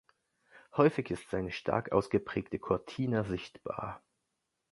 Häufig ist eine stark ausgeprägte Cortina sichtbar.